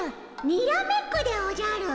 にらめっこでおじゃる！